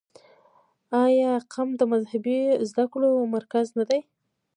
آیا قم د مذهبي زده کړو مرکز نه دی؟